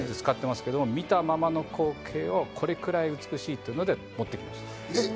見たままの光景をこれぐらい美しいというので持ってきました。